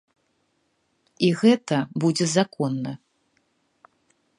І гэта будзе законна.